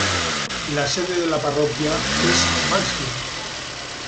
La sede de la parroquia es Mansfield.